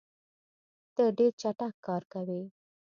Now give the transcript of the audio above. ته ډېر چټک کار کوې.